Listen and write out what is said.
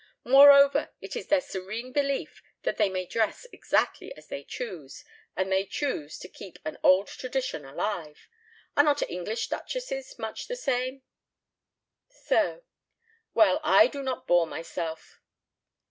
Moreover, it is their serene belief that they may dress exactly as they choose, and they choose to keep an old tradition alive. Are not English duchesses much the same?" "So. Well, I do not bore myself."